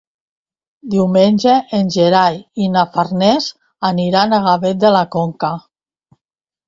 Diumenge en Gerai i na Farners aniran a Gavet de la Conca.